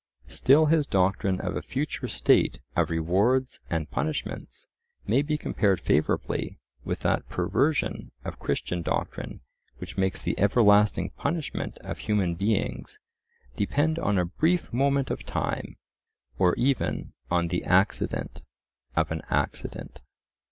Still his doctrine of a future state of rewards and punishments may be compared favourably with that perversion of Christian doctrine which makes the everlasting punishment of human beings depend on a brief moment of time, or even on the accident of an accident.